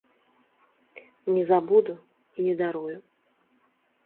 Не забуду і не дарую.